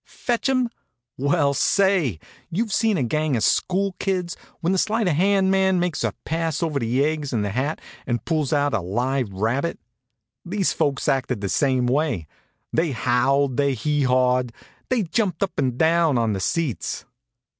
Fetch 'em? Well, say! You've seen a gang of school kids when the sleight of hand man makes a pass over the egg in the hat and pulls out a live rabbit? These folks acted the same way. They howled, they hee hawed, they jumped up and down on the seats.